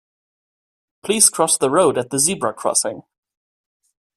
Please cross the road at the zebra crossing